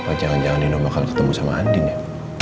apa jangan jangan nino bakal ketemu sama andin ya